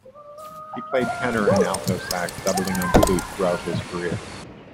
He played tenor and alto sax, doubling on flute throughout his career.